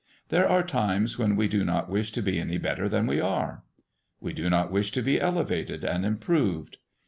There are times when we do not wish to be any better than we are. We do not wish to be elevated and improved.